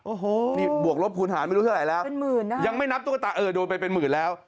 โอ้โฮเป็นหมื่นนะครับยังไม่นับตุ๊กตาเออโดนไปเป็นหมื่นแล้ว